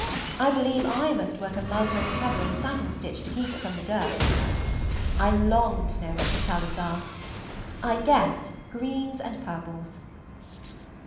I believe I must work a muslin cover in satin stitch to keep it from the dirt. I long to know what his colors are. I guess greens and purples.